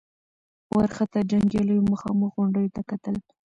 وارخطا جنګياليو مخامخ غونډيو ته کتل.